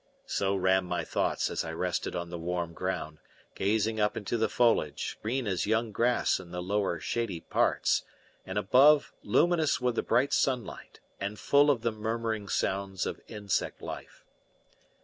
So ran my thoughts as I rested on the warm ground, gazing up into the foliage, green as young grass in the lower, shady parts, and above luminous with the bright sunlight, and full of the murmuring sounds of insect life.